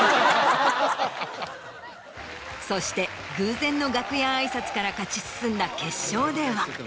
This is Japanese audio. そして偶然の楽屋挨拶から勝ち進んだ決勝では。